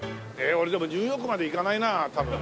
俺でもニューヨークまで行かないな多分。